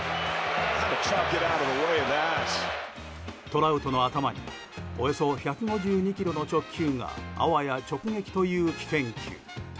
トラウトの頭におよそ１５２キロの直球があわや直撃という危険球。